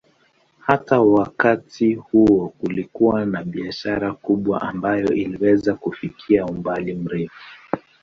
Hata wakati huo kulikuwa na biashara kubwa ambayo iliweza kufikia umbali mrefu.